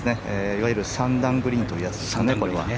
いわゆる３段グリーンというやつですね。